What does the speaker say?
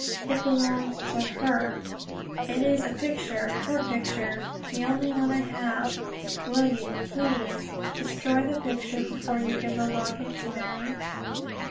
"It belonged to her. In it is a picture her picture the only one I have. Will you please destroy the picture before you give the locket to Marie?"